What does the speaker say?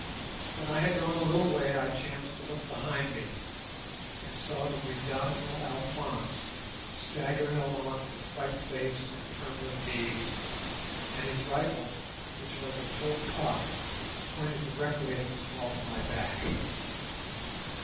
When I had gone a little way I chanced to look behind me, and saw the redoubtable Alphonse staggering along with white face and trembling knees, and his rifle, which was at full cock, pointed directly at the small of my back.